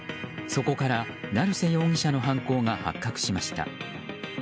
そこから成瀬容疑者の犯行が発覚しました。